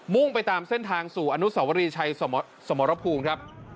่งไปตามเส้นทางสู่อนุสวรีชัยสมรภูมิครับ